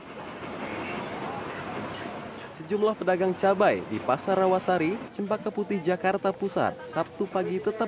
hai sejumlah pedagang cabai di pasar rawasari cempaka putih jakarta pusat sabtu pagi tetap